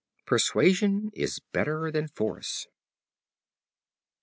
Persuasion is better than Force.